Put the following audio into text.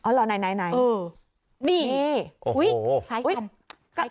อ๋อเหรอไหนนี่โอ้โหไกลกัน